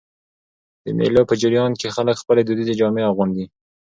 د مېلو په جریان کښي خلک خپلي دودیزي جامې اغوندي.